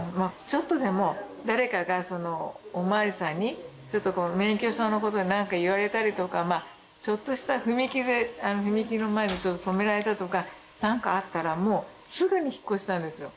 ちょっとでも誰かがおまわりさんに免許証のことで何か言われたりとかちょっとした踏切の前で止められたとか何かあったらもうすぐに引っ越したんですよ